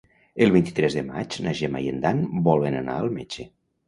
El vint-i-tres de maig na Gemma i en Dan volen anar al metge.